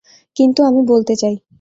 কিন্তু আমি বলতে চাই।